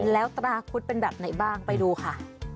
แล้วตราคุดเป็นแบบไหนบ้างไปดูค่ะ